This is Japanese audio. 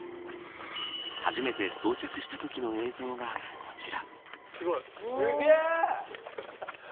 初めて装着したときの映像がこちら。